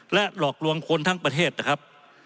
และหลอกลวงคนทั้งประเทศนะครับ